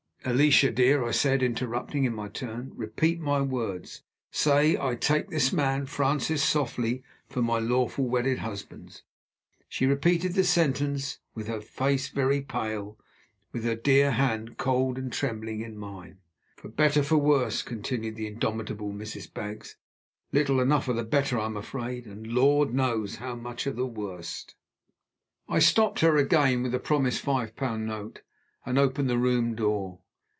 "Alicia, dear," I said, interrupting in my turn, "repeat my words. Say 'I take this man, Francis Softly, for my lawful wedded husband.'" She repeated the sentence, with her face very pale, with her dear hand cold and trembling in mine. "For better for worse," continued the indomitable Mrs. Baggs. "Little enough of the Better, I'm afraid, and Lord knows how much of the Worse." I stopped her again with the promised five pound note, and opened the room door.